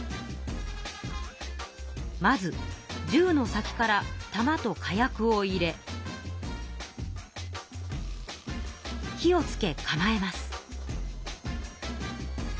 まずじゅうの先からたまと火薬を入れ火を付け構えます。